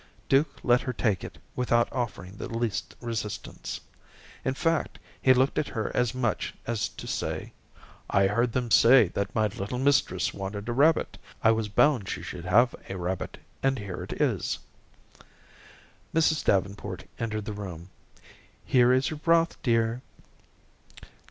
Duke let her take it without offering the least resistance. In fact, he looked at her as much as to say: "I heard them say that my little mistress wanted a rabbit. I was bound she should have a rabbit, and here it is." Mrs. Davenport entered the room. "Here is your broth, dear."